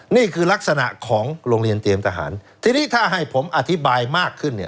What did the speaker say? นี่คือลักษณะของโรงเรียนเตรียมทหารทีนี้ถ้าให้ผมอธิบายมากขึ้นเนี่ย